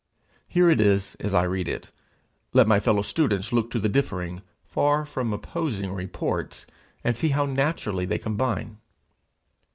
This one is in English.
Here it is as I read it; let my fellow students look to the differing, far from opposing, reports, and see how naturally they combine.